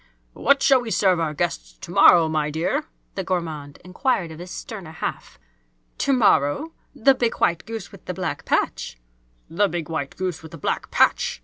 "What shall we serve our guests to morrow, my dear?" the gourmand inquired of his sterner half. "To morrow? The big white goose with the black patch." "The big white goose with the black patch!